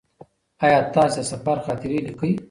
ایا تاسې د سفر خاطرې لیکئ؟